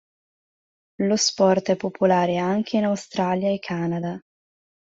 Lo sport è popolare anche in Australia e Canada.